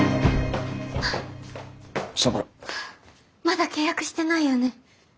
まだ契約してないよね？